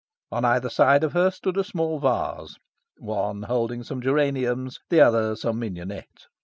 On either side of her stood a small vase, one holding some geraniums, the other some mignonette.